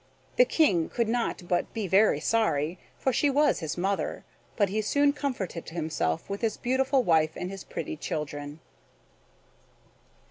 The King could not but be very sorry, for she was his mother; but he soon comforted himself with his beautiful wife and his pretty children.